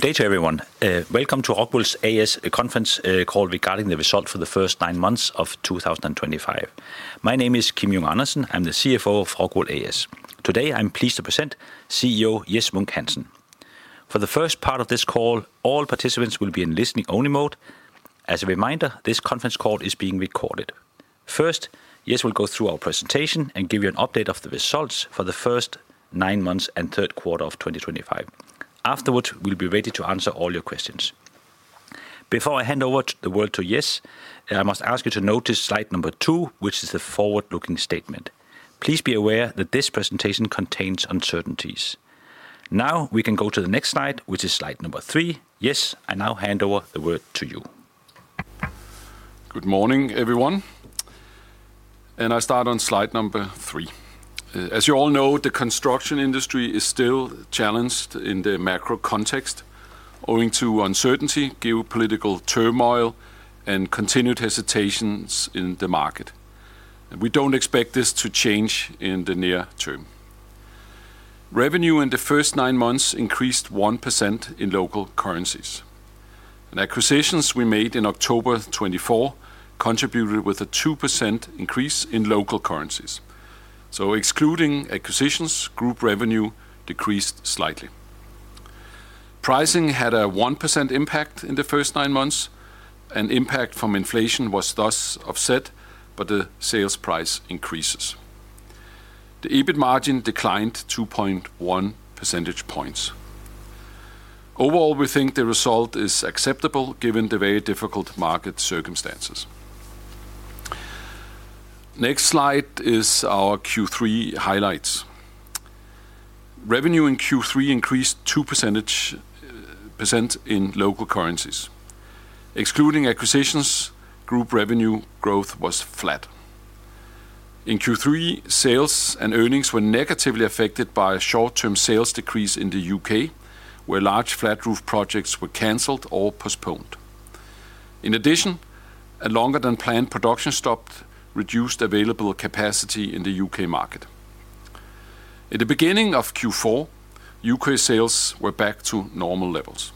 Good day to everyone. Welcome to Rockwool AS conference call regarding the result for the first nine months of 2025. My name is Kim Junge Andersen. I'm the CFO of Rockwool AS. Today, I'm pleased to present CEO Jes Munk Hansen. For the first part of this call, all participants will be in listening-only mode. As a reminder, this conference call is being recorded. First, Jes will go through our presentation and give you an update of the results for the first nine months and third quarter of 2025. Afterwards, we'll be ready to answer all your questions. Before I hand over the word to Jes, I must ask you to notice slide number two, which is the forward-looking statement. Please be aware that this presentation contains uncertainties. Now, we can go to the next slide, which is slide number three. Jes, I now hand over the word to you. Good morning, everyone. I start on slide number three. As you all know, the construction industry is still challenged in the macro context, owing to uncertainty, geopolitical turmoil, and continued hesitations in the market. We do not expect this to change in the near term. Revenue in the first nine months increased 1% in local currencies. Acquisitions we made in October 2024 contributed with a 2% increase in local currencies. Excluding acquisitions, group revenue decreased slightly. Pricing had a 1% impact in the first nine months. An impact from inflation was thus offset by the sales price increases. The EBIT margin declined 2.1 percentage points. Overall, we think the result is acceptable given the very difficult market circumstances. Next slide is our Q3 highlights. Revenue in Q3 increased 2% in local currencies. Excluding acquisitions, group revenue growth was flat. In Q3, sales and earnings were negatively affected by a short-term sales decrease in the U.K., where large flat roof projects were canceled or postponed. In addition, a longer-than-planned production stop reduced available capacity in the U.K. market. At the beginning of Q4, U.K. sales were back to normal levels.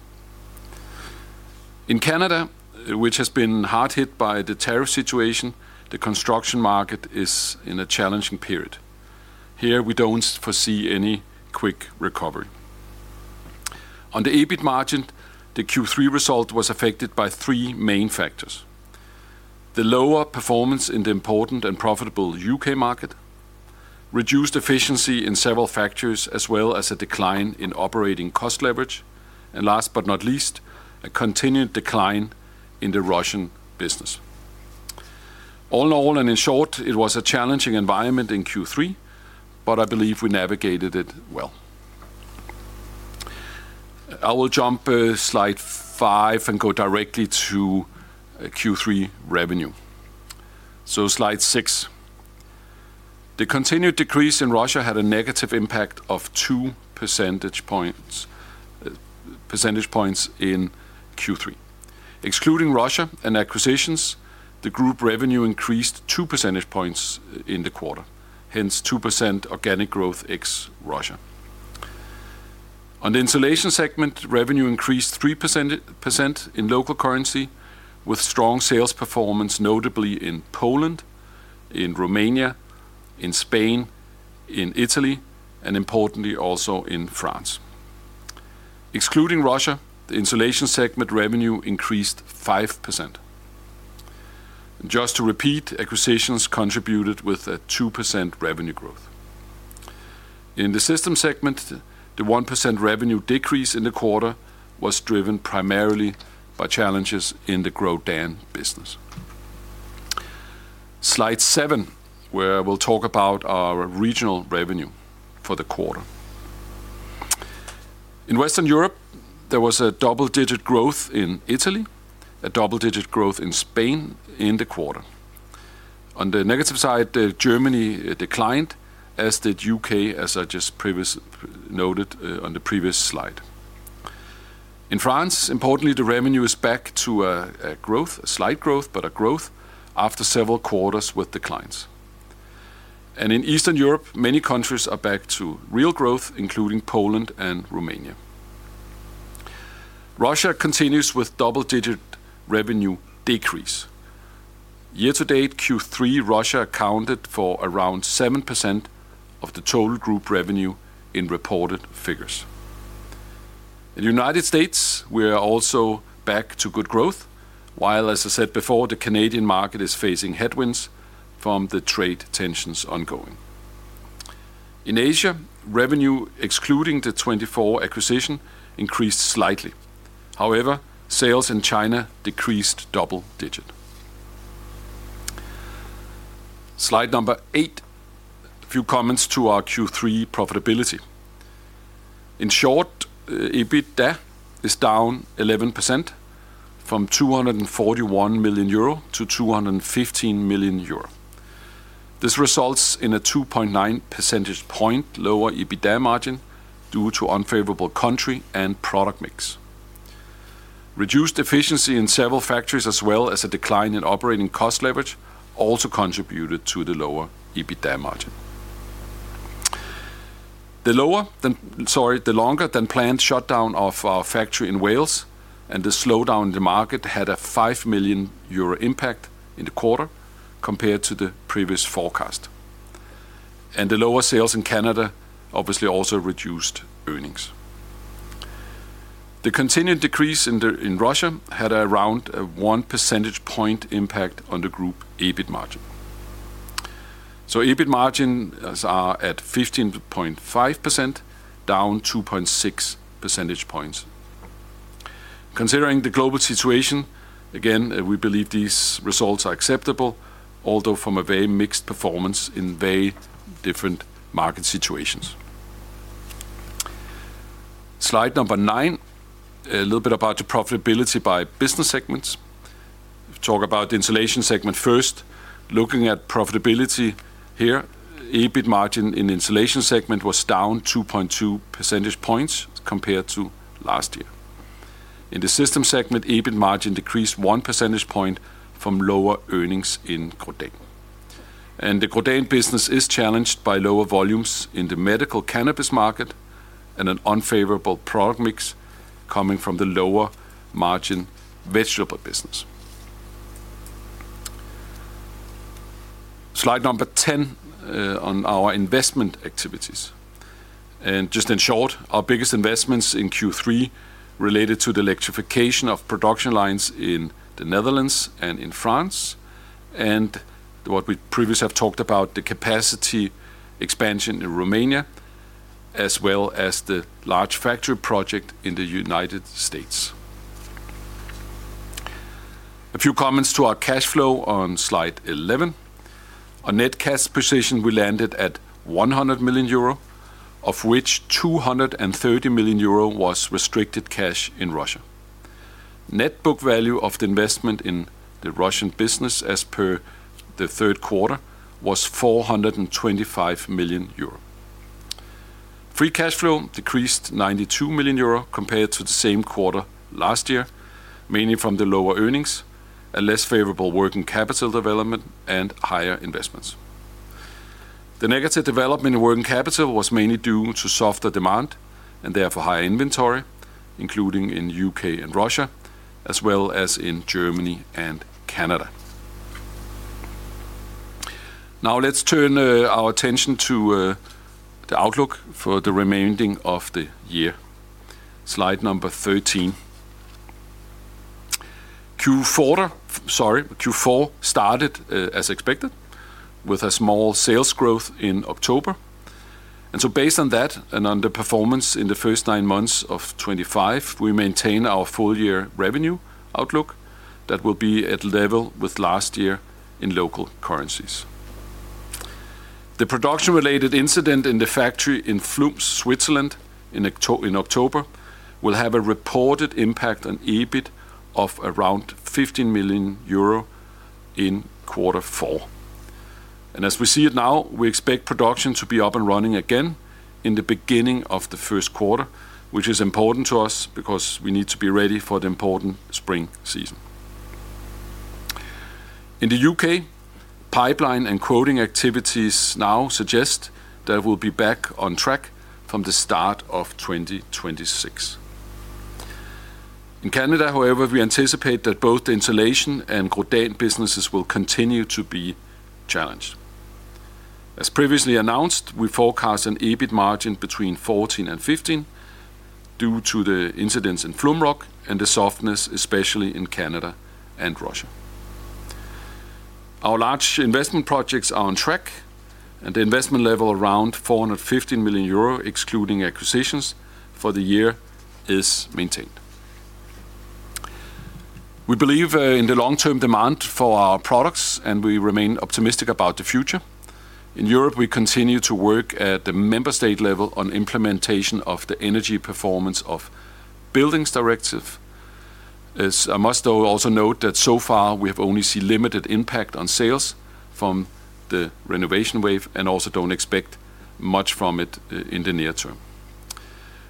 In Canada, which has been hard hit by the tariff situation, the construction market is in a challenging period. Here, we do not foresee any quick recovery. On the EBIT margin, the Q3 result was affected by three main factors: the lower performance in the important and profitable U.K. market, reduced efficiency in several factors, as well as a decline in operating cost leverage, and last but not least, a continued decline in the Russian business. All in all, and in short, it was a challenging environment in Q3, but I believe we navigated it well. I will jump to slide five and go directly to Q3 revenue. Slide six. The continued decrease in Russia had a negative impact of 2 percentage points in Q3. Excluding Russia and acquisitions, the group revenue increased 2 percentage points in the quarter, hence 2% organic growth ex-Russia. On the insulation segment, revenue increased 3% in local currency, with strong sales performance notably in Poland, in Romania, in Spain, in Italy, and importantly, also in France. Excluding Russia, the insulation segment revenue increased 5%. Just to repeat, acquisitions contributed with a 2% revenue growth. In the systems segment, the 1% revenue decrease in the quarter was driven primarily by challenges in the GroDan business. Slide seven, where we'll talk about our regional revenue for the quarter. In Western Europe, there was a double-digit growth in Italy, a double-digit growth in Spain in the quarter. On the negative side, Germany declined, as did the U.K., as I just noted on the previous slide. In France, importantly, the revenue is back to a growth, a slight growth, but a growth after several quarters with declines. In Eastern Europe, many countries are back to real growth, including Poland and Romania. Russia continues with double-digit revenue decrease. Year-to-date Q3, Russia accounted for around 7% of the total group revenue in reported figures. In the United States, we are also back to good growth, while, as I said before, the Canadian market is facing headwinds from the trade tensions ongoing. In Asia, revenue, excluding the 2024 acquisition, increased slightly. However, sales in China decreased double-digit. Slide number eight, a few comments to our Q3 profitability. In short, EBITDA is down 11% from 241 million euro to 215 million euro. This results in a 2.9 percentage point lower EBITDA margin due to unfavorable country and product mix. Reduced efficiency in several factories, as well as a decline in operating cost leverage, also contributed to the lower EBITDA margin. The longer-than-planned shutdown of our factory in Wales and the slowdown in the market had a 5 million euro impact in the quarter compared to the previous forecast. The lower sales in Canada obviously also reduced earnings. The continued decrease in Russia had around a 1 percentage point impact on the group EBIT margin. EBIT margins are at 15.5%, down 2.6 percentage points. Considering the global situation, again, we believe these results are acceptable, although from a very mixed performance in very different market situations. Slide number nine, a little bit about the profitability by business segments. Talk about the insulation segment first. Looking at profitability here, EBIT margin in the insulation segment was down 2.2 percentage points compared to last year. In the systems segment, EBIT margin decreased 1 percentage point from lower earnings in GroDan. And the GroDan business is challenged by lower volumes in the medical cannabis market and an unfavorable product mix coming from the lower-margin vegetable business. Slide number 10 on our investment activities. In short, our biggest investments in Q3 related to the electrification of production lines in the Netherlands and in France, and what we previously have talked about, the capacity expansion in Romania, as well as the large factory project in the United States. A few comments to our cash flow on slide 11. On net cash position, we landed at 100 million euro, of which 230 million euro was restricted cash in Russia. Net book value of the investment in the Russian business as per the third quarter was 425 million euro. Free cash flow decreased 92 million euro compared to the same quarter last year, mainly from the lower earnings, a less favorable working capital development, and higher investments. The negative development in working capital was mainly due to softer demand and therefore higher inventory, including in the U.K. and Russia, as well as in Germany and Canada. Now let's turn our attention to the outlook for the remaining of the year. Slide number 13. Q4 started as expected with a small sales growth in October. Based on that and on the performance in the first nine months of 2025, we maintain our full-year revenue outlook that will be at level with last year in local currencies. The production-related incident in the factory in Flums, Switzerland, in October will have a reported impact on EBIT of around 15 million euro in quarter four. As we see it now, we expect production to be up and running again in the beginning of the first quarter, which is important to us because we need to be ready for the important spring season. In the U.K., pipeline and quoting activities now suggest that we'll be back on track from the start of 2026. In Canada, however, we anticipate that both the insulation and GroDan businesses will continue to be challenged. As previously announced, we forecast an EBIT margin between 14% and 15% due to the incidents in Flums and the softness, especially in Canada and Russia. Our large investment projects are on track, and the investment level around 415 million euro, excluding acquisitions for the year, is maintained. We believe in the long-term demand for our products, and we remain optimistic about the future. In Europe, we continue to work at the member state level on implementation of the Energy Performance of Buildings Directive. I must also note that so far, we have only seen limited impact on sales from the renovation wave and also do not expect much from it in the near term.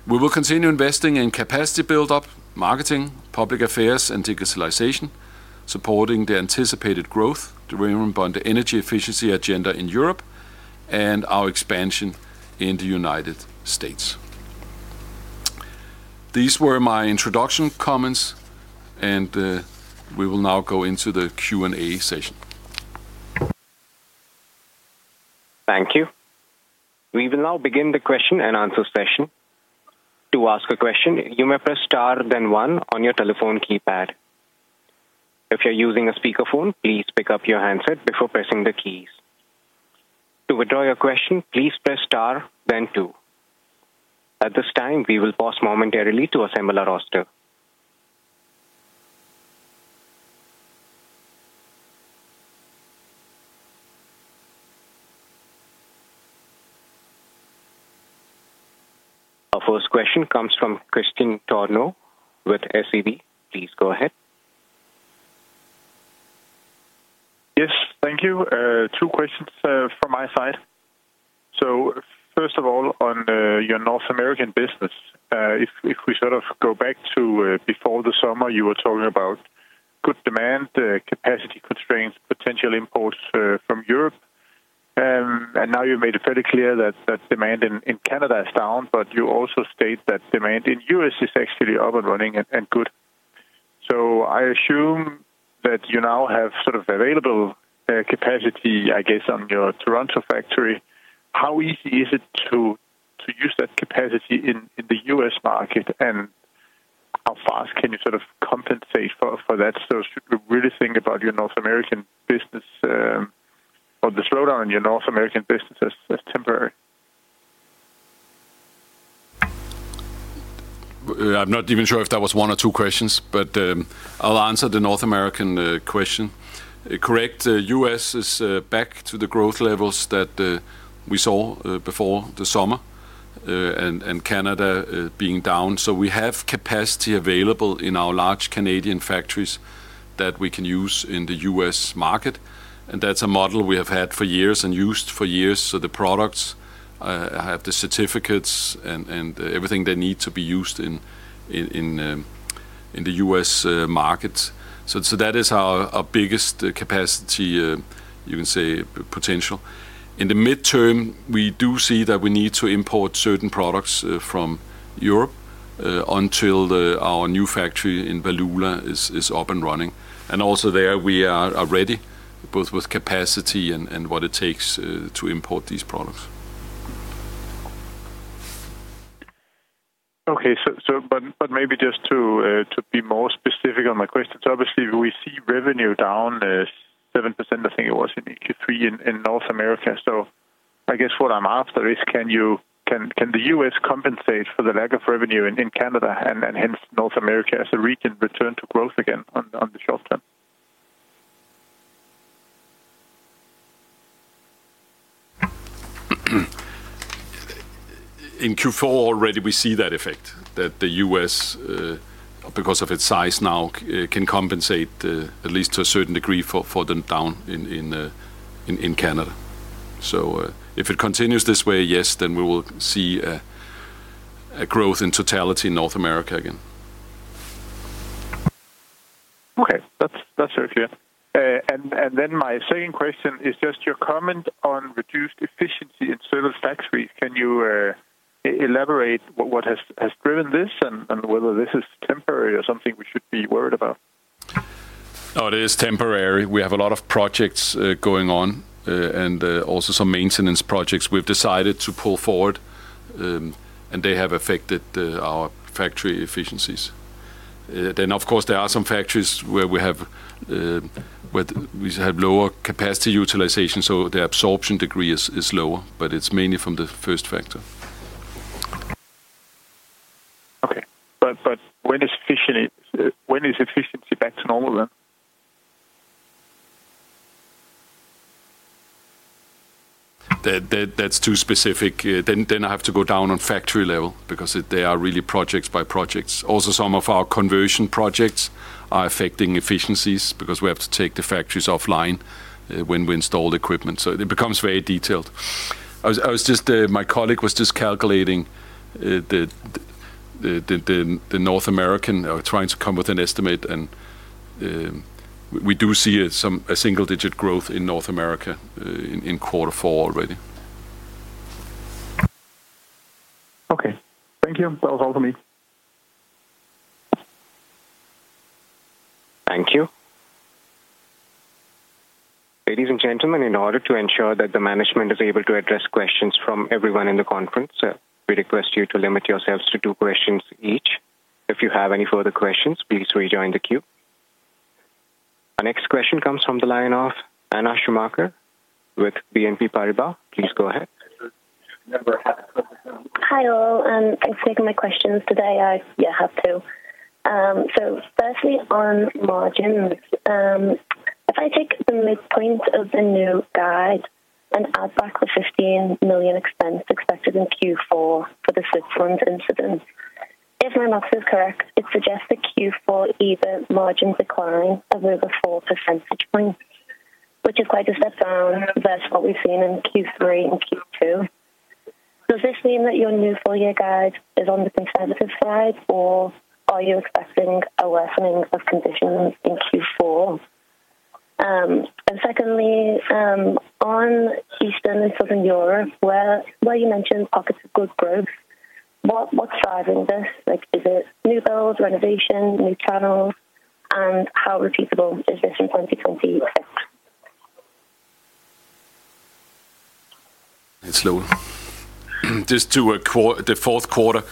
We will continue investing in capacity build-up, marketing, public affairs, and digitalization, supporting the anticipated growth driven by the energy efficiency agenda in Europe and our expansion in the United States. These were my introduction comments, and we will now go into the Q&A session. Thank you. We will now begin the question and answer session. To ask a question, you may press star then one on your telephone keypad. If you're using a speakerphone, please pick up your handset before pressing the keys. To withdraw your question, please press star then two. At this time, we will pause momentarily to assemble our roster. Our first question comes from Kristen Tornøe with SEB. Please go ahead. Yes, thank you. Two questions from my side. First of all, on your North American business, if we sort of go back to before the summer, you were talking about good demand, capacity constraints, potential imports from Europe. You have made it very clear that demand in Canada is down, but you also state that demand in the U.S. is actually up and running and good. I assume that you now have sort of available capacity, I guess, on your Toronto factory. How easy is it to use that capacity in the U.S. market, and how fast can you sort of compensate for that? Should we really think about your North American business or the slowdown in your North American business as temporary? I'm not even sure if that was one or two questions, but I'll answer the North American question. Correct, the U.S. is back to the growth levels that we saw before the summer and Canada being down. We have capacity available in our large Canadian factories that we can use in the U.S. market. That is a model we have had for years and used for years. The products have the certificates and everything they need to be used in the U.S. market. That is our biggest capacity, you can say, potential. In the midterm, we do see that we need to import certain products from Europe until our new factory in Valula is up and running. Also there, we are ready, both with capacity and what it takes to import these products. Okay, but maybe just to be more specific on my questions, obviously, we see revenue down 7%, I think it was in Q3 in North America. I guess what I'm after is, can the US compensate for the lack of revenue in Canada and hence North America as a region return to growth again on the short term? In Q4 already, we see that effect, that the U.S., because of its size now, can compensate at least to a certain degree for the down in Canada. If it continues this way, yes, then we will see a growth in totality in North America again. Okay, that's very clear. My second question is just your comment on reduced efficiency in certain factories. Can you elaborate what has driven this and whether this is temporary or something we should be worried about? No, it is temporary. We have a lot of projects going on and also some maintenance projects we've decided to pull forward, and they have affected our factory efficiencies. Of course, there are some factories where we have lower capacity utilization, so the absorption degree is lower, but it's mainly from the first factor. Okay, but when is efficiency back to normal then? That's too specific. I have to go down on factory level because they are really projects by projects. Also, some of our conversion projects are affecting efficiencies because we have to take the factories offline when we install the equipment. It becomes very detailed. My colleague was just calculating the North American, trying to come with an estimate, and we do see a single-digit growth in North America in quarter four already. Okay, thank you. That was all for me. Thank you. Ladies and gentlemen, in order to ensure that the management is able to address questions from everyone in the conference, we request you to limit yourselves to two questions each. If you have any further questions, please rejoin the queue. Our next question comes from the line of Anna Schumacher with BNP Paribas. Please go ahead. Hi all. I'm taking my questions today. I have two. Firstly, on margins, if I take the midpoint of the new guide and add back the 15 million expense expected in Q4 for the Switzerland incident, if my math is correct, it suggests that Q4 either margins are climbing of over 4 percentage points, which is quite a step down versus what we've seen in Q3 and Q2. Does this mean that your new full-year guide is on the conservative side, or are you expecting a worsening of conditions in Q4? Secondly, on Eastern and Southern Europe, while you mentioned pockets of good growth, what's driving this? Is it new builds, renovation, new channels, and how repeatable is this in 2026? It's slow. Just to the fourth quarter,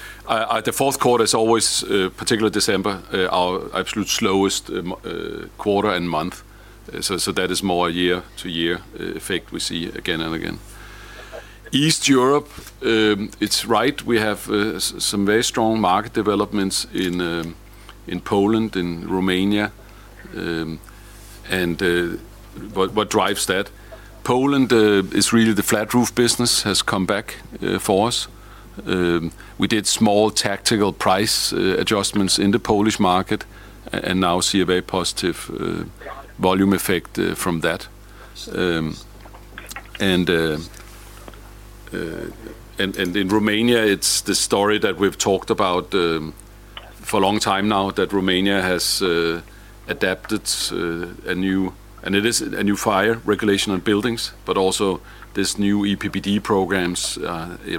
the fourth quarter is always, particularly December, our absolute slowest quarter and month. That is more a year-to-year effect we see again and again. East Europe, it's right. We have some very strong market developments in Poland, in Romania. What drives that? Poland is really the flat roof business has come back for us. We did small tactical price adjustments in the Polish market and now see a very positive volume effect from that. In Romania, it's the story that we've talked about for a long time now, that Romania has adopted a new, and it is a new fire regulation on buildings, but also there's new EPBD programs.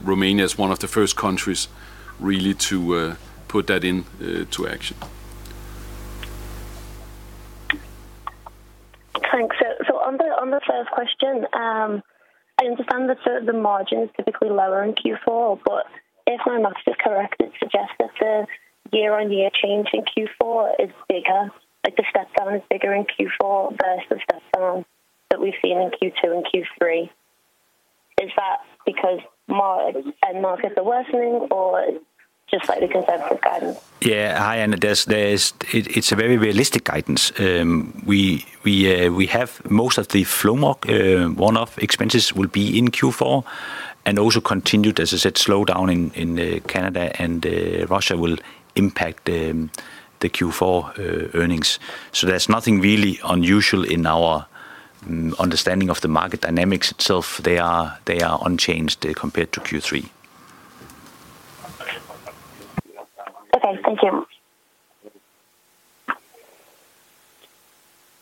Romania is one of the first countries really to put that into action. Thanks. On the first question, I understand that the margin is typically lower in Q4, but if my math is correct, it suggests that the year-on-year change in Q4 is bigger, like the step down is bigger in Q4 versus the step down that we've seen in Q2 and Q3. Is that because markets are worsening, or just like the conservative guidance? Yeah, it's a very realistic guidance. We have most of the Flums one-off expenses will be in Q4 and also continued, as I said, slow down in Canada, and Russia will impact the Q4 earnings. There is nothing really unusual in our understanding of the market dynamics itself. They are unchanged compared to Q3. Okay, thank you.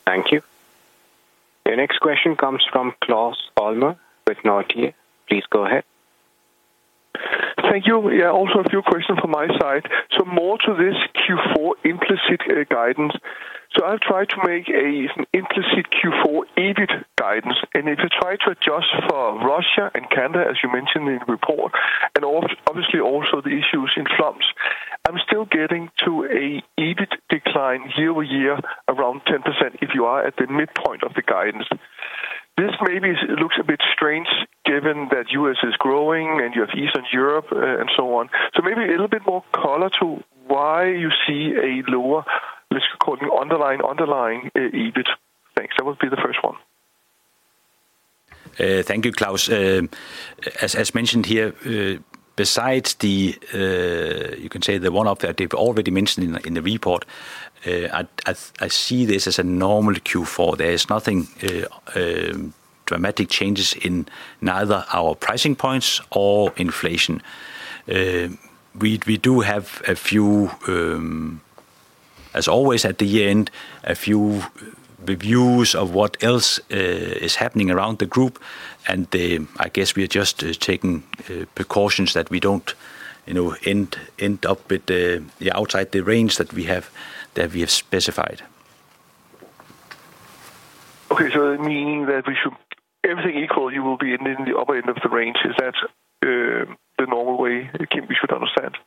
Thank you. The next question comes from Claus Almer with Nordea. Please go ahead. Thank you. Yeah, also a few questions from my side. More to this Q4 implicit guidance. I've tried to make an implicit Q4 EBIT guidance, and if you try to adjust for Russia and Canada, as you mentioned in the report, and obviously also the issues in Flums, I'm still getting to an EBIT decline year over year around 10% if you are at the midpoint of the guidance. This maybe looks a bit strange given that the U.S. is growing and you have Eastern Europe and so on. Maybe a little bit more color to why you see a lower, let's call it underlying EBIT things. That would be the first one. Thank you, Claus. As mentioned here, besides the, you can say the one-off that they've already mentioned in the report, I see this as a normal Q4. There's nothing dramatic changes in neither our pricing points or inflation. We do have a few, as always at the end, a few reviews of what else is happening around the group, and I guess we are just taking precautions that we don't end up outside the range that we have specified. Okay, so meaning that we should, everything equal, you will be in the upper end of the range. Is that the normal way we should understand?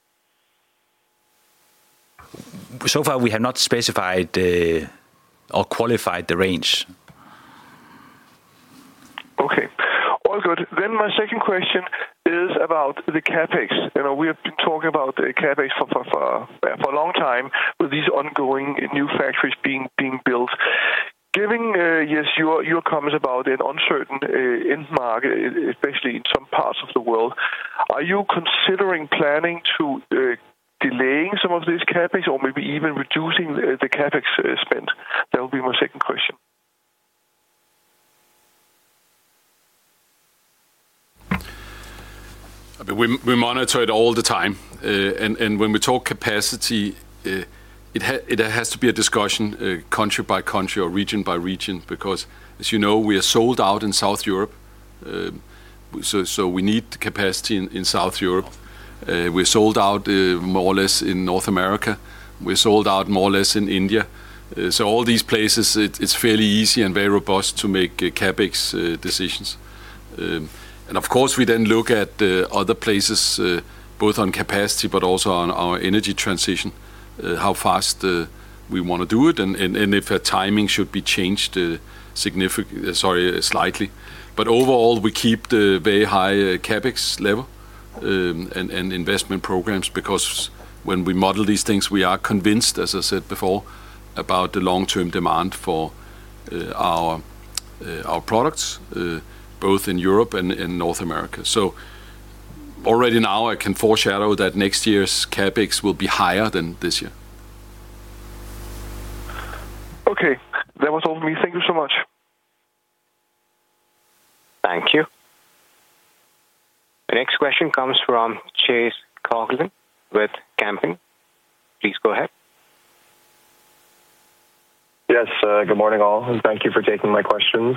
We have not specified or qualified the range. Okay. All good. My second question is about the CapEx. We have been talking about CapEx for a long time with these ongoing new factories being built. Giving, yes, your comments about an uncertain end market, especially in some parts of the world, are you considering planning to delay some of this CapEx or maybe even reducing the CapEx spend? That would be my second question. We monitor it all the time. When we talk capacity, it has to be a discussion country by country or region by region because, as you know, we are sold out in South Europe. We need capacity in South Europe. We're sold out more or less in North America. We're sold out more or less in India. All these places, it's fairly easy and very robust to make CapEx decisions. Of course, we then look at other places, both on capacity but also on our energy transition, how fast we want to do it and if timing should be changed slightly. Overall, we keep the very high CapEx level and investment programs because when we model these things, we are convinced, as I said before, about the long-term demand for our products, both in Europe and North America. Already now, I can foreshadow that next year's CapEx will be higher than this year. Okay. That was all from me. Thank you so much. Thank you. The next question comes from Chase Koghlen with Camping. Please go ahead. Yes, good morning all, and thank you for taking my questions.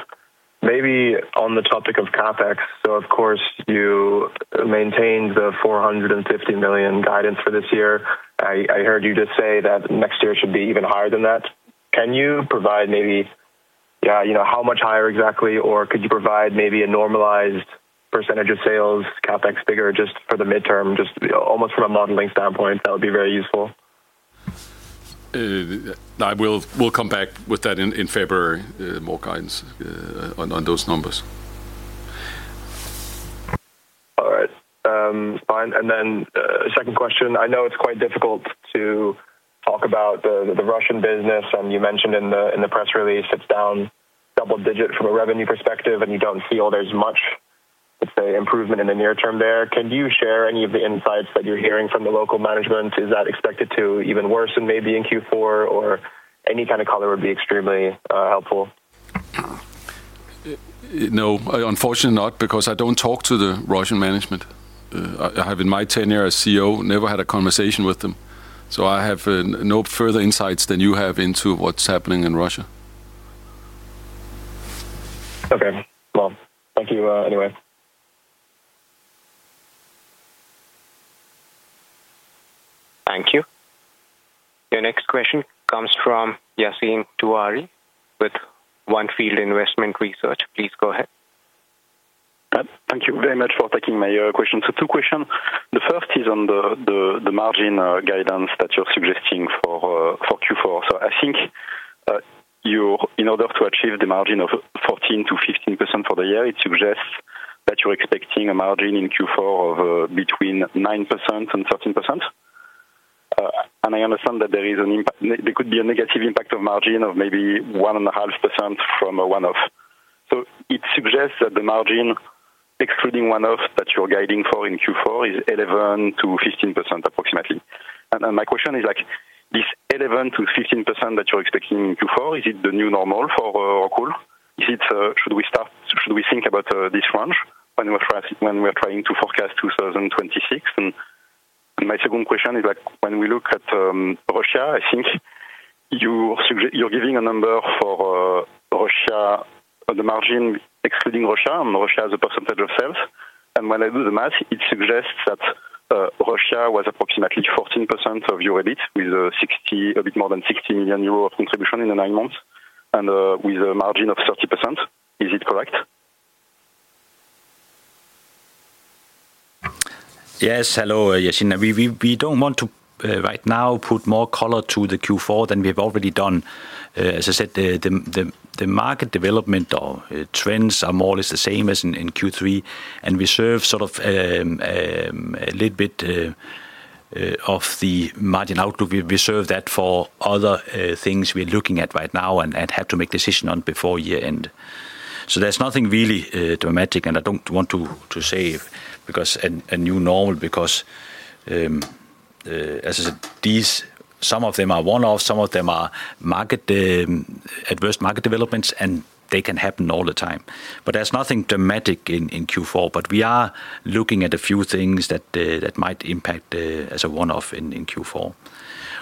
Maybe on the topic of CapEx, of course, you maintained the 450 million guidance for this year. I heard you just say that next year should be even higher than that. Can you provide maybe, yeah, how much higher exactly, or could you provide maybe a normalized % of sales, CapEx bigger just for the midterm, just almost from a modeling standpoint? That would be very useful. I will come back with that in February, more guidance on those numbers. All right. Fine. Then a second question. I know it's quite difficult to talk about the Russian business, and you mentioned in the press release it's down double-digit from a revenue perspective, and you don't feel there's much, let's say, improvement in the near term there. Can you share any of the insights that you're hearing from the local management? Is that expected to even worsen maybe in Q4, or any kind of color would be extremely helpful? No, unfortunately not, because I don't talk to the Russian management. I have, in my tenure as CEO, never had a conversation with them. So I have no further insights than you have into what's happening in Russia. Okay. Thank you anyway. Thank you. Your next question comes from Yassine Touahri with On field Investment Research. Please go ahead. Thank you very much for taking my question. Two questions. The first is on the margin guidance that you're suggesting for Q4. I think in order to achieve the margin of 14%-15% for the year, it suggests that you're expecting a margin in Q4 of between 9%-13%. I understand that there could be a negative impact of margin of maybe 1.5% from one-off. It suggests that the margin excluding one-off that you're guiding for in Q4 is 11%-15% approximately. My question is, this 11%-15% that you're expecting in Q4, is it the new normal for Rockwool? Should we think about this range when we're trying to forecast 2026? My second question is, when we look at Russia, I think you're giving a number for Russia, the margin excluding Russia, and Russia as a percentage of sales. When I do the math, it suggests that Russia was approximately 14% of your EBIT with a bit more than 60 million euros of contribution in the nine months and with a margin of 30%. Is it correct? Yes, hello, Yassine. We do not want to, right now, put more color to the Q4 than we have already done. As I said, the market development or trends are more or less the same as in Q3, and we serve sort of a little bit of the margin outlook. We serve that for other things we are looking at right now and have to make decisions on before year-end. There is nothing really dramatic, and I do not want to say a new normal because, as I said, some of them are one-off, some of them are adverse market developments, and they can happen all the time. There is nothing dramatic in Q4, but we are looking at a few things that might impact as a one-off in Q4.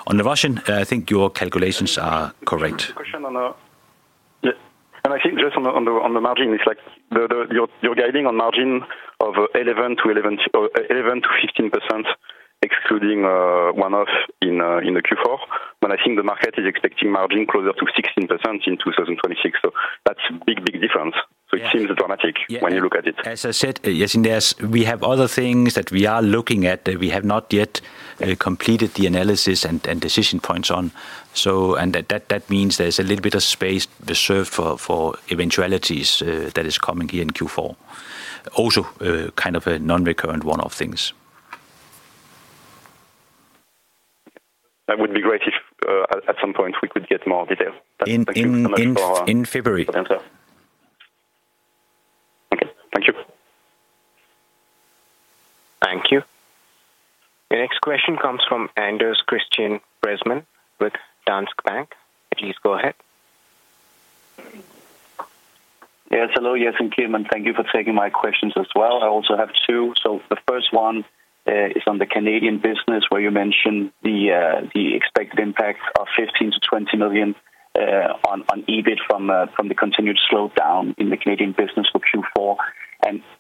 On the Russian, I think your calculations are correct. Question on that. I think just on the margin, it's like you're guiding on margin of 11%-15% excluding one-off in the Q4, but I think the market is expecting margin closer to 16% in 2026. That is a big, big difference. It seems dramatic when you look at it. As I said, Yassine, we have other things that we are looking at that we have not yet completed the analysis and decision points on. That means there is a little bit of space reserved for eventualities that are coming here in Q4, also kind of a non-recurrent one-off things. That would be great if at some point we could get more detail. In February. Okay. Thank you. Thank you. The next question comes from Anders Kristiansen with Danske Bank. Please go ahead. Yes, hello, Jes and Kim, and thank you for taking my questions as well. I also have two. The first one is on the Canadian business where you mentioned the expected impact of 15-20 million on EBIT from the continued slowdown in the Canadian business for Q4.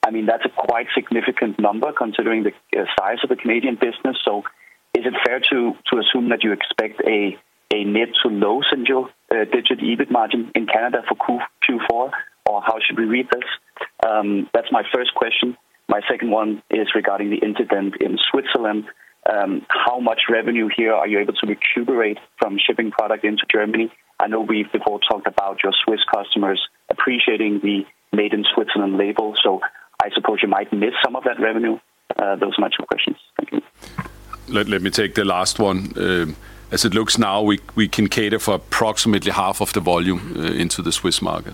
I mean, that's a quite significant number considering the size of the Canadian business. Is it fair to assume that you expect a mid to low single-digit EBIT margin in Canada for Q4, or how should we read this? That's my first question. My second one is regarding the incident in Switzerland. How much revenue here are you able to recuperate from shipping product into Germany? I know we've before talked about your Swiss customers appreciating the made-in-Switzerland label, so I suppose you might miss some of that revenue. Those are my two questions. Thank you. Let me take the last one. As it looks now, we can cater for approximately half of the volume into the Swiss market.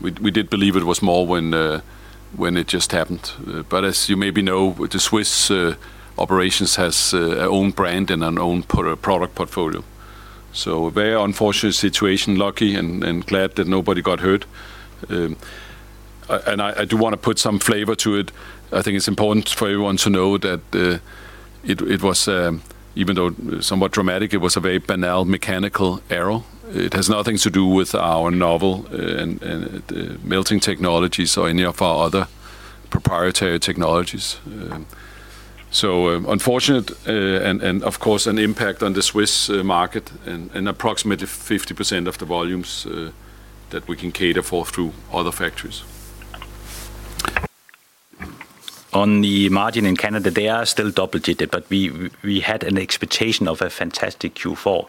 We did believe it was more when it just happened. As you maybe know, the Swiss operations has an own brand and an own product portfolio. Very unfortunate situation. Lucky and glad that nobody got hurt. I do want to put some flavor to it. I think it's important for everyone to know that it was, even though somewhat dramatic, a very banal mechanical error. It has nothing to do with our novel melting technologies or any of our other proprietary technologies. Unfortunate, and of course, an impact on the Swiss market and approximately 50% of the volumes that we can cater for through other factories. On the margin in Canada, they are still double-digit, but we had an expectation of a fantastic Q4.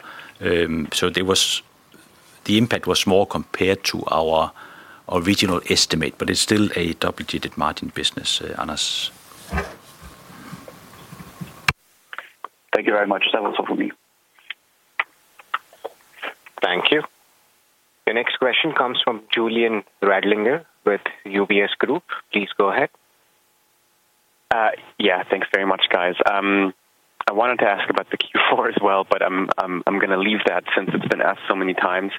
The impact was small compared to our original estimate, but it's still a double-digit margin business, Anders. Thank you very much. That was all from me. Thank you. The next question comes from Julian Radlinger with UBS Group. Please go ahead. Yeah, thanks very much, guys. I wanted to ask about the Q4 as well, but I'm going to leave that since it's been asked so many times.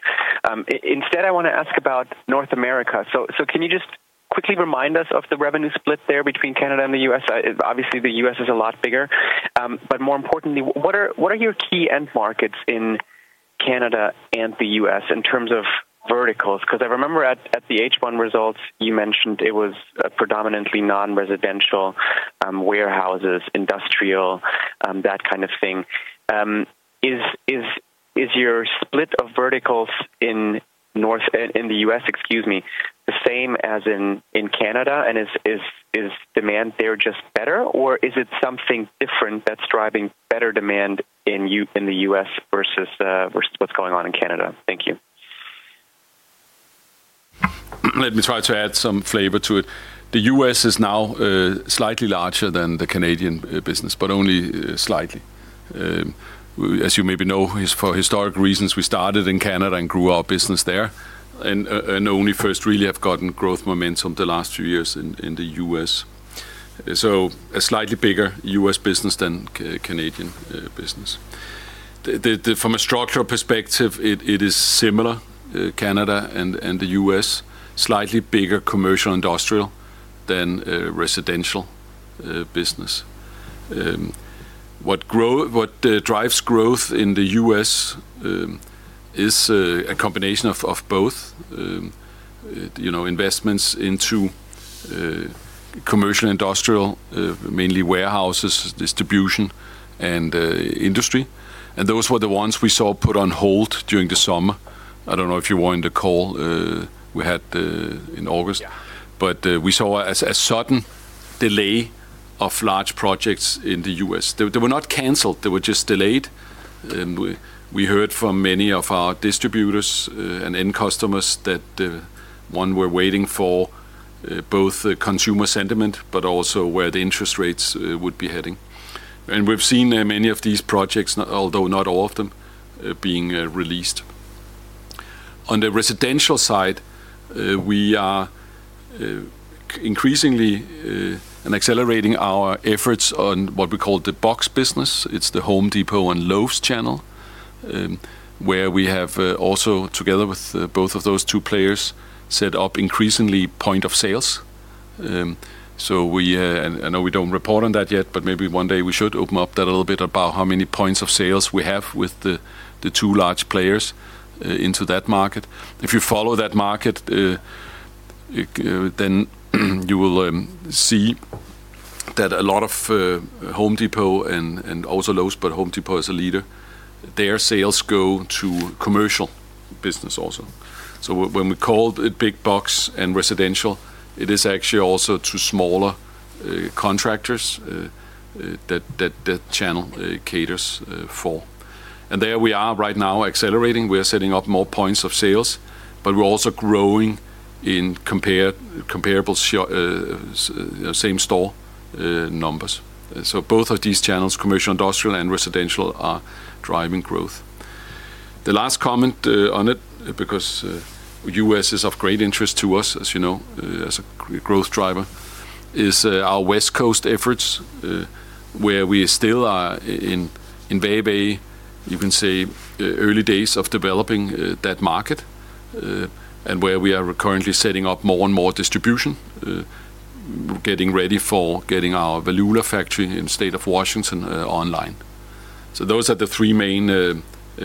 Instead, I want to ask about North America. Can you just quickly remind us of the revenue split there between Canada and the U.S.? Obviously, the U.S. is a lot bigger. More importantly, what are your key end markets in Canada and the U.S. in terms of verticals? I remember at the H-bond results, you mentioned it was predominantly non-residential warehouses, industrial, that kind of thing. Is your split of verticals in the U.S., excuse me, the same as in Canada? Is demand there just better, or is it something different that's driving better demand in the U.S. versus what's going on in Canada? Thank you. Let me try to add some flavor to it. The U.S. is now slightly larger than the Canadian business, but only slightly. As you maybe know, for historic reasons, we started in Canada and grew our business there, and only first really have gotten growth momentum the last few years in the U.S. A slightly bigger U.S. business than Canadian business. From a structural perspective, it is similar, Canada and the U.S., slightly bigger commercial industrial than residential business. What drives growth in the U.S. is a combination of both investments into commercial industrial, mainly warehouses, distribution, and industry. Those were the ones we saw put on hold during the summer. I do not know if you were in the call we had in August, but we saw a sudden delay of large projects in the U.S. They were not canceled. They were just delayed. We heard from many of our distributors and end customers that one were waiting for both consumer sentiment, but also where the interest rates would be heading. We have seen many of these projects, although not all of them, being released. On the residential side, we are increasingly accelerating our efforts on what we call the box business. It is the Home Depot and Lowe's channel, where we have also, together with both of those two players, set up increasingly point of sales. I know we do not report on that yet, but maybe one day we should open up that a little bit about how many points of sales we have with the two large players into that market. If you follow that market, then you will see that a lot of Home Depot and also Lowe's, but Home Depot as a leader, their sales go to commercial business also. When we call it big box and residential, it is actually also to smaller contractors that that channel caters for. There we are right now accelerating. We are setting up more points of sales, but we're also growing in comparable same store numbers. Both of these channels, commercial, industrial, and residential, are driving growth. The last comment on it, because the U.S. is of great interest to us, as you know, as a growth driver, is our West Coast efforts, where we still are in very, very, you can say, early days of developing that market, and where we are currently setting up more and more distribution, getting ready for getting our Velula factory in the state of Washington online. Those are the three main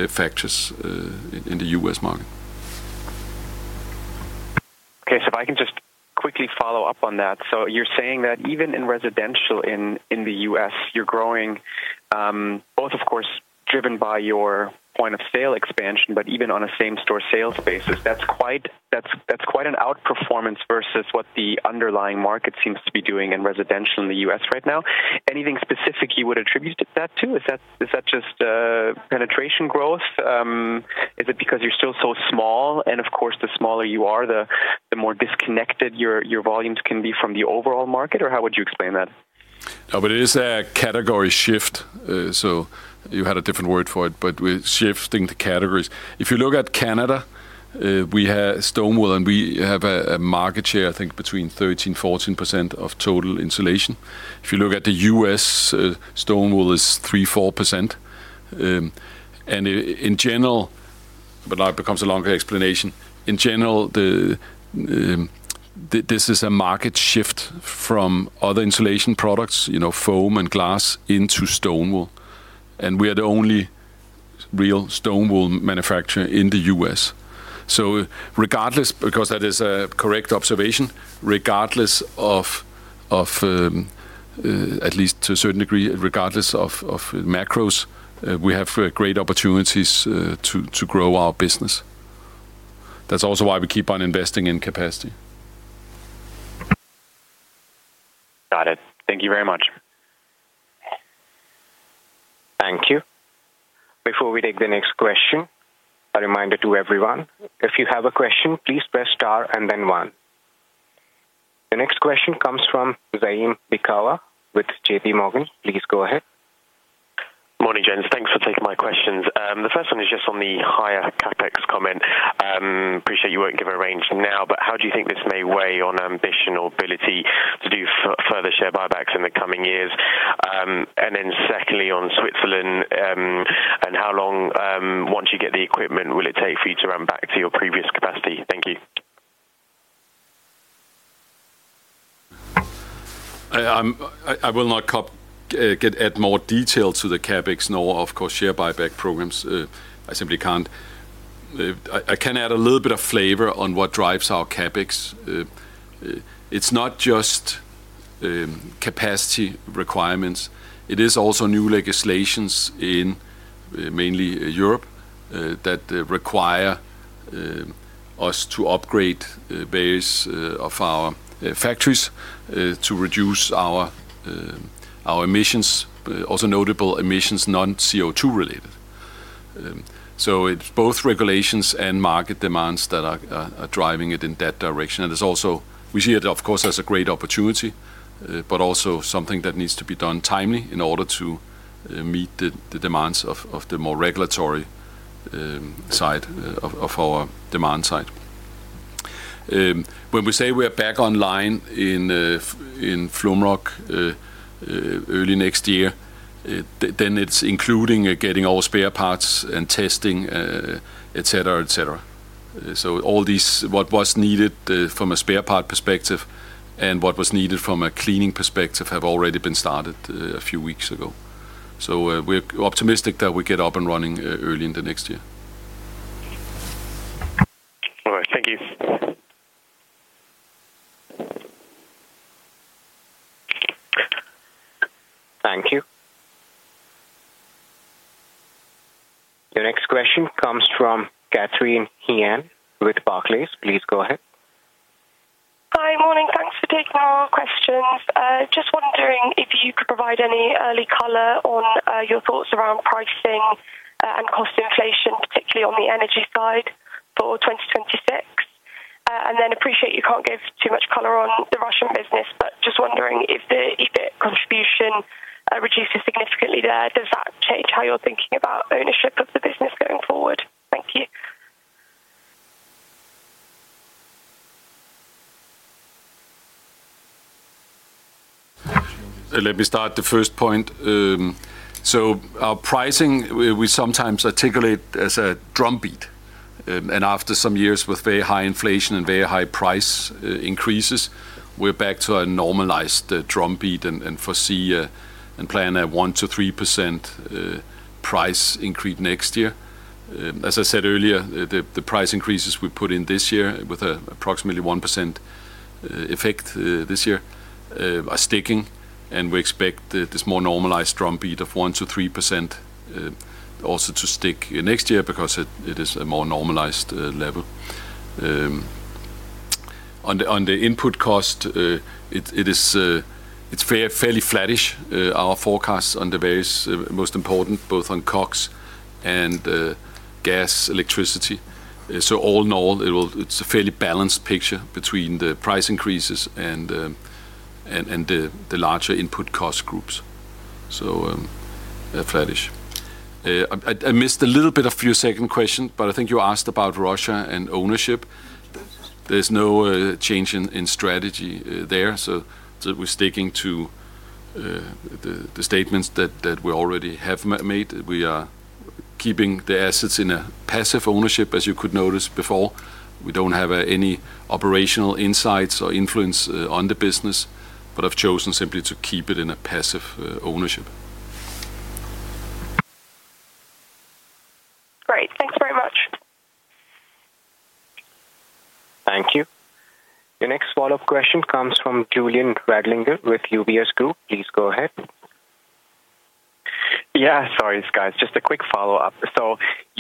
factors in the U.S. market. Okay, if I can just quickly follow up on that. You're saying that even in residential in the U.S., you're growing, both, of course, driven by your point of sale expansion, but even on a same-store sales basis. That's quite an outperformance versus what the underlying market seems to be doing in residential in the U.S. right now. Anything specific you would attribute that to? Is that just penetration growth? Is it because you're still so small? Of course, the smaller you are, the more disconnected your volumes can be from the overall market. How would you explain that? No, but it is a category shift. You had a different word for it, but we're shifting to categories. If you look at Canada, we have stone wool, and we have a market share, I think, between 13%-14% of total insulation. If you look at the U.S., stone wool is 3%-4%. In general, but now it becomes a longer explanation. In general, this is a market shift from other insulation products, you know, foam and glass, into stone wool. We are the only real stone wool manufacturer in the U.S. Regardless, because that is a correct observation, regardless of, at least to a certain degree, regardless of macros, we have great opportunities to grow our business. That's also why we keep on investing in capacity. Got it. Thank you very much. Thank you. Before we take the next question, a reminder to everyone, if you have a question, please press star and then one. The next question comes from Zaim Beekawa with JP Morgan. Please go ahead. Morning, Jes. Thanks for taking my questions. The first one is just on the higher CapEx comment. Appreciate you won't give a range now, but how do you think this may weigh on ambition or ability to do further share buybacks in the coming years? Secondly, on Switzerland, how long, once you get the equipment, will it take for you to run back to your previous capacity? Thank you. I will not get more detail to the CapEx, nor of course share buyback programs. I simply can't. I can add a little bit of flavor on what drives our CapEx. It's not just capacity requirements. It is also new legislations in mainly Europe that require us to upgrade various of our factories to reduce our emissions, also notable emissions, non-CO2 related. It is both regulations and market demands that are driving it in that direction. It is also, we see it, of course, as a great opportunity, but also something that needs to be done timely in order to meet the demands of the more regulatory side of our demand side. When we say we are back online in Flums early next year, then it is including getting all spare parts and testing, et cetera, et cetera. All these, what was needed from a spare part perspective and what was needed from a cleaning perspective have already been started a few weeks ago. We are optimistic that we get up and running early in the next year. All right, thank you. Thank you. The next question comes from Catherine Haigh with Barclays. Please go ahead. Hi, morning. Thanks for taking our questions. Just wondering if you could provide any early color on your thoughts around pricing and cost inflation, particularly on the energy side for 2026. I appreciate you can't give too much color on the Russian business, but just wondering if the EBIT contribution reduces significantly there, does that change how you're thinking about ownership of the business going forward? Thank you. Let me start the first point. Our pricing, we sometimes articulate as a drumbeat. After some years with very high inflation and very high price increases, we are back to a normalized drumbeat and foresee and plan a 1%-3% price increase next year. As I said earlier, the price increases we put in this year with approximately 1% effect this year are sticking, and we expect this more normalized drumbeat of 1%-3% also to stick next year because it is a more normalized level. On the input cost, it is fairly flattish. Our forecasts on the various most important, both on cox and gas, electricity. All in all, it is a fairly balanced picture between the price increases and the larger input cost groups. Flattish. I missed a little bit of your second question, but I think you asked about Russia and ownership. There's no change in strategy there. We are sticking to the statements that we already have made. We are keeping the assets in a passive ownership, as you could notice before. We don't have any operational insights or influence on the business, but I've chosen simply to keep it in a passive ownership. Great. Thanks very much. Thank you. The next follow-up question comes from Julian Radlinger with UBS Group. Please go ahead. Yeah, sorry, guys. Just a quick follow-up.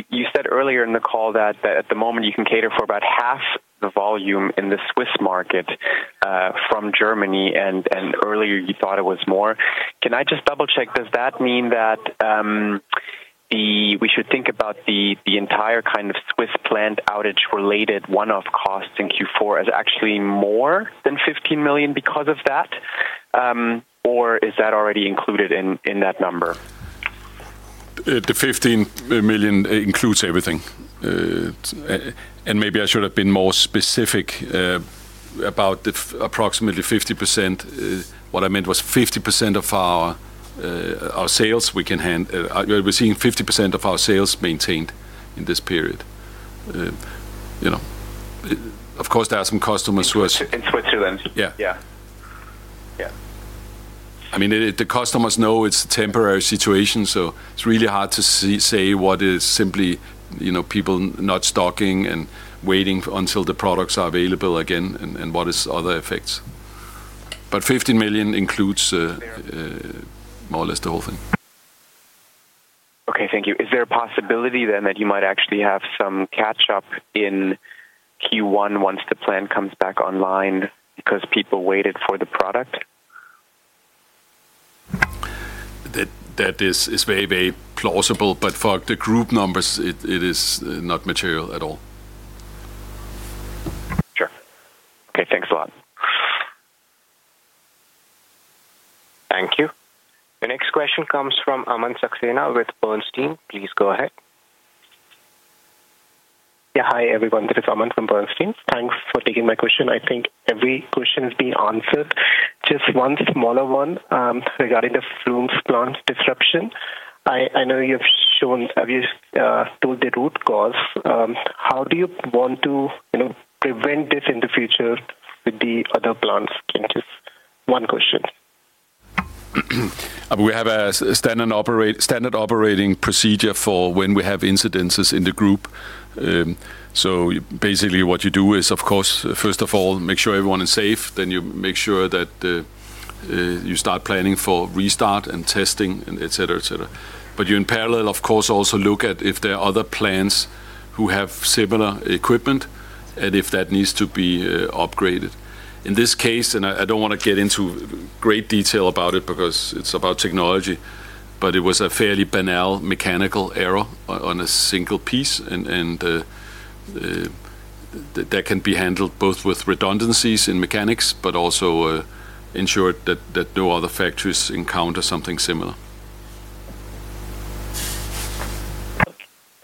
You said earlier in the call that at the moment you can cater for about half the volume in the Swiss market from Germany, and earlier you thought it was more. Can I just double-check? Does that mean that we should think about the entire kind of Swiss plant outage-related one-off costs in Q4 as actually more than 15 million because of that? Or is that already included in that number? The 15 million includes everything. Maybe I should have been more specific about approximately 50%. What I meant was 50% of our sales we can handle. We're seeing 50% of our sales maintained in this period. You know, of course, there are some customers who are. In Switzerland? Yeah. Yeah. I mean, the customers know it's a temporary situation, so it's really hard to say what is simply people not stocking and waiting until the products are available again and what is other effects. 15 million includes more or less the whole thing. Okay, thank you. Is there a possibility then that you might actually have some catch-up in Q1 once the plant comes back online because people waited for the product? That is very, very plausible, but for the group numbers, it is not material at all. Sure. Okay, thanks a lot. Thank you. The next question comes from Aman Saxena with Bernstein. Please go ahead. Yeah, hi everyone. This is Aman from Bernstein. Thanks for taking my question. I think every question has been answered. Just one smaller one regarding the Flums plant disruption. I know you've shown, have you told the root cause. How do you want to prevent this in the future with the other plants? Just one question. We have a standard operating procedure for when we have incidences in the group. Basically what you do is, of course, first of all, make sure everyone is safe. You make sure that you start planning for restart and testing, et cetera, et cetera. You in parallel, of course, also look at if there are other plants who have similar equipment and if that needs to be upgraded. In this case, I do not want to get into great detail about it because it is about technology, but it was a fairly banal mechanical error on a single piece. That can be handled both with redundancies in mechanics, but also ensured that no other factories encounter something similar.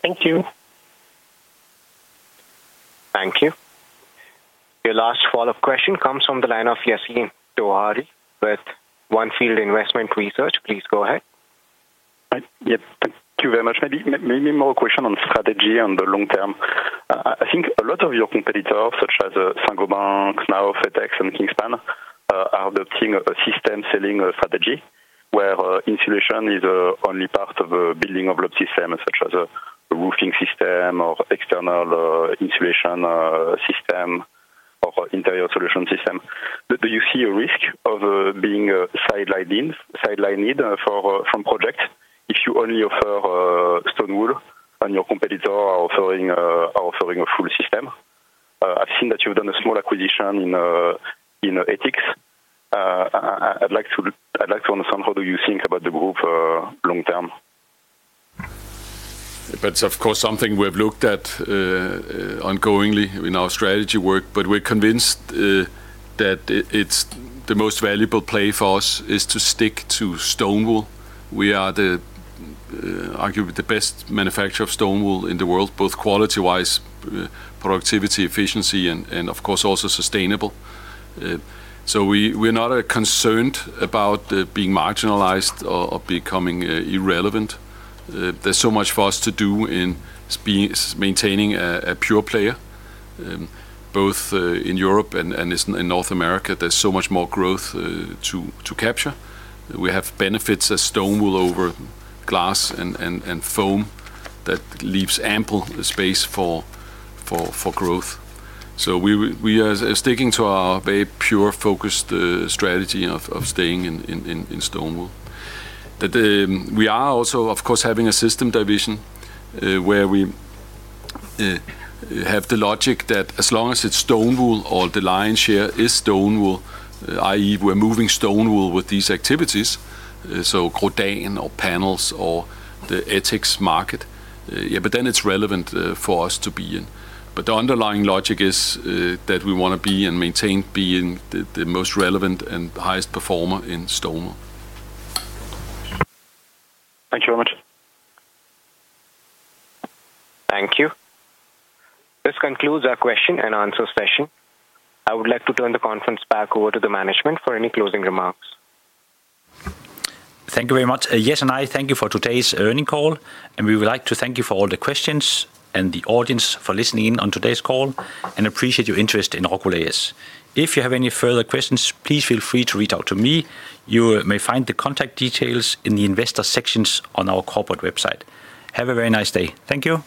Thank you. Thank you. The last follow-up question comes from the line of Yassine Touahri with On field Investment Research. Please go ahead. Yes, thank you very much. Maybe more question on strategy and the long term. I think a lot of your competitors, such as Saint-Gobain, Knauf, FedEx, and Kingspan, are adopting a system selling strategy where insulation is only part of the building of the system, such as a roofing system or external insulation system or interior solution system. Do you see a risk of being sidelined from projects if you only offer stone wool and your competitor are offering a full system? I've seen that you've done a small acquisition in ETICS. I'd like to understand how do you think about the group long term? It is of course something we've looked at ongoingly in our strategy work, but we're convinced that the most valuable play for us is to stick to stone wool. We are arguably the best manufacturer of stone wool in the world, both quality-wise, productivity, efficiency, and of course also sustainable. We are not concerned about being marginalized or becoming irrelevant. There is so much for us to do in maintaining a pure player, both in Europe and in North America. There is so much more growth to capture. We have benefits as stone wool over glass and foam that leaves ample space for growth. We are sticking to our very pure focused strategy of staying in stone wool. We are also, of course, having a system division where we have the logic that as long as it is stone wool, all the lion's share is stone wool, i.e. We're moving stone wool with these activities, so GroDan or panels or the ETICS market. Yeah, it is relevant for us to be in. The underlying logic is that we want to be and maintain being the most relevant and highest performer in stone wool. Thank you very much. Thank you. This concludes our Question and Answer session. I would like to turn the conference back over to the management for any closing remarks. Thank you very much. Yes, thank you for today's earning call. We would like to thank you for all the questions and the audience for listening in on today's call and appreciate your interest in Rockwool AS. If you have any further questions, please feel free to reach out to me. You may find the contact details in the investor sections on our corporate website. Have a very nice day. Thank you.